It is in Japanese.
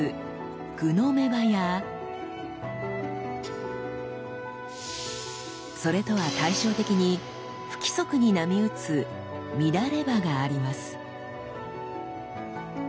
「互の目刃」やそれとは対照的に不規則に波打つ「乱刃」があります。